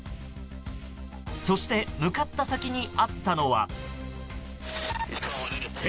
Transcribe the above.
そして向かった先にあったのは。